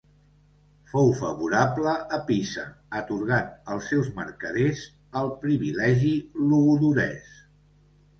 Fou favorable a Pisa, atorgant als seus mercaders el Privilegi Logudorès.